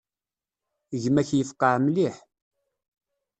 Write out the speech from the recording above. Gma-k yefqeε mliḥ.